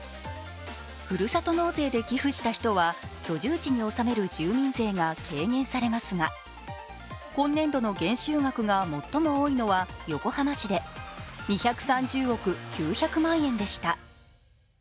ふるさと納税で寄付した人は居住地に納める住民税が軽減されますが今年度の減収額が最も多いのは横浜市で２３０億９００万円でした。